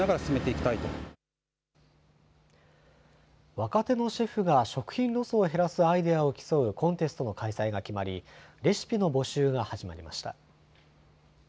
若手のシェフが食品ロスを減らすアイディアを競うコンテストの開催が決まり、レシピの募集が始まりました。